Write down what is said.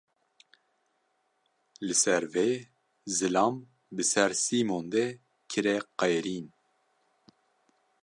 Li ser vê, zilam bi ser Sîmon de kire qêrîn.